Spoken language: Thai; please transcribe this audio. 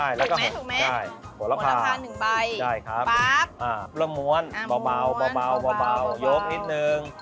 อย่างนี้เหรอถูกไหมผัวละพานหนึ่งใบป๊าบประหมวนเบายกนิดนึง